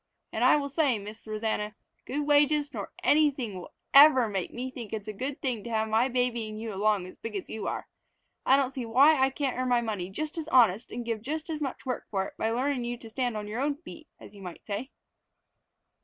And I will say, Miss Rosanna, good wages nor anything will ever make me think it is a good thing to have my babying you along as big as you are. I don't see why I can't earn my money just as honest and give just as much work for it by learnin' you to stand on your own feet, as you might say."